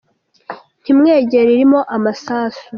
Ntimwegere irimo amasasu!